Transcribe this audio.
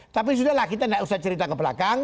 tapi sudah lah kita tidak usah cerita ke belakang